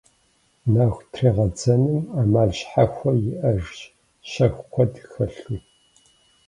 Нэху трегъэдзэным ӏэмал щхьэхуэ иӏэжщ, щэху куэд хэлъу.